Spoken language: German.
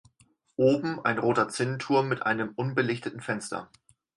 Oben ein roter Zinnenturm mit einem unbelichteten Fenster.